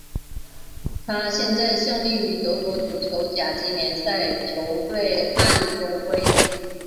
他现在效力于德国足球甲级联赛球队汉诺威。